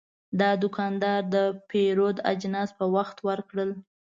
دا دوکاندار د پیرود اجناس په وخت ورکړل.